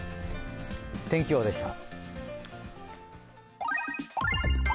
天気予報でした。